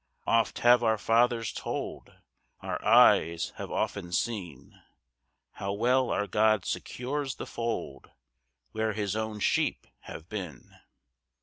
6 Oft have our fathers told, Our eyes have often seen, How well our God secures the fold Where his own sheep have been.